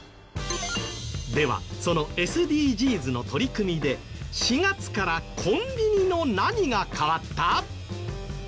ではそのＳＤＧｓの取り組みで４月からコンビニの何が変わった？